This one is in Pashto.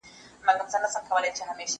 زه بايد امادګي ونيسم؟!